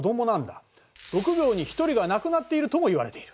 ６秒に１人が亡くなっているともいわれている。